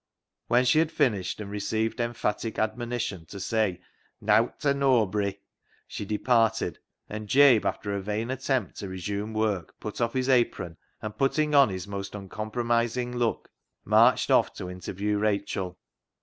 When she had finished and received emphatic admonition to say " nowt ta noabry," she de parted, and Jabe, after a vain attempt to resume work, put off his apron, and putting on his most uncompromising look, marched off to interview Rachel.